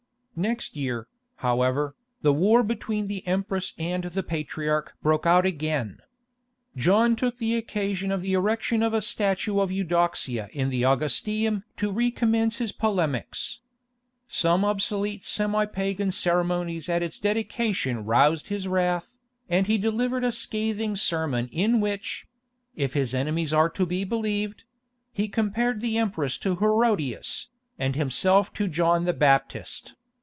Next year, however, the war between the empress and the patriarch broke out again. John took the occasion of the erection of a statue of Eudoxia in the Augustaeum to recommence his polemics. Some obsolete semi pagan ceremonies at its dedication roused his wrath, and he delivered a scathing sermon in which—if his enemies are to be believed—he compared the empress to Herodias, and himself to John the Baptist.